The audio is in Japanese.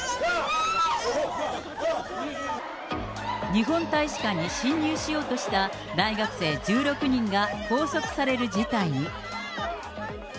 日本大使館に侵入しようとした大学生１６人が拘束される事態に。